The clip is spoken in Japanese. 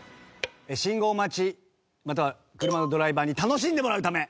信号待ちまたは車のドライバーに楽しんでもらうため。